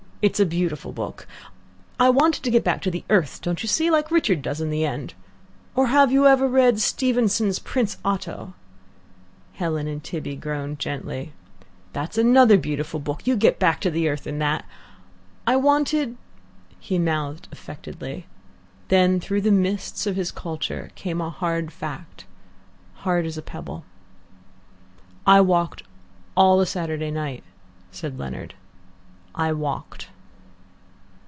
"It's a beautiful book. I wanted to get back to the Earth, don't you see, like Richard does in the end. Or have you ever read Stevenson's PRINCE OTTO?" Helen and Tibby groaned gently. "That's another beautiful book. You get back to the Earth in that. I wanted " He mouthed affectedly. Then through the mists of his culture came a hard fact, hard as a pebble. "I walked all the Saturday night," said Leonard. "I walked."